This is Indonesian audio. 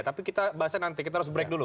tapi kita bahasnya nanti kita harus break dulu